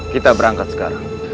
kita berangkat sekarang